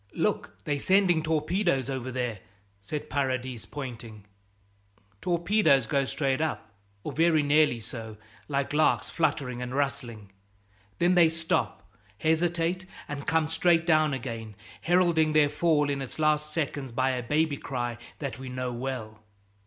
"Look, they're sending torpedoes over there!" said Paradis, pointing. Torpedoes go straight up, or very nearly so, like larks, fluttering and rustling; then they stop, hesitate, and come straight down again, heralding their fall in its last seconds by a "baby cry" that we know well.